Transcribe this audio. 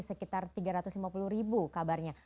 sekitar rp tiga ratus lima puluh kabarnya